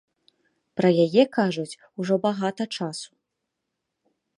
Пра яе кажуць ужо багата часу.